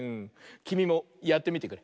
きみもやってみてくれ。